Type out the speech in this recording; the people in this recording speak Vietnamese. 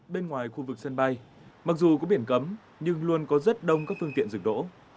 bên ngoài khu vực sân bay mặc dù có biển cấm nhưng luôn có rất đông các phương tiện rực rỡ